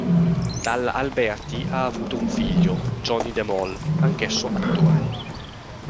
Dalla Alberti ha avuto un figlio, Johnny de Mol, anch'esso attore.